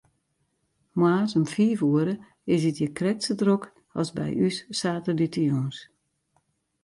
Moarns om fiif oere is it hjir krekt sa drok as by ús saterdeitejûns.